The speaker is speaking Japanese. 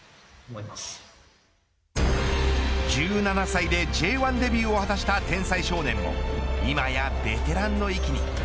１７歳でＪ１デビューを果たした天才少年も今やベテランの域に。